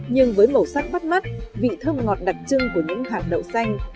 nhưng với màu sắc bắt mắt vị thơm ngọt đặc trưng của những hạt đậu xanh